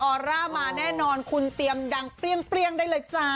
อร่ามาแน่นอนคุณเตรียมดังเปรี้ยงได้เลยจ้า